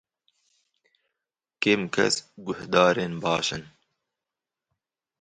Kêm kes guhdarên baş in.